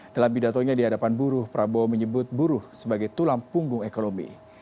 dalam pidatonya di hadapan buruh prabowo menyebut buruh sebagai tulang punggung ekonomi